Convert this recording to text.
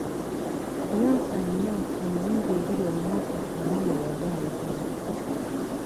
Yonsa nnyo, emirundi ebiri olunaku omwana bw'aba ayagala.